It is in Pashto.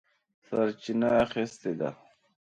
سرچینه اخیستې ده.